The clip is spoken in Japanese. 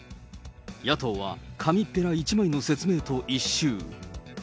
野党は紙っぺら１枚の説明と一蹴。